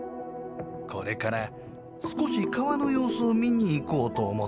これから少し川の様子を見に行こうと思っておる」。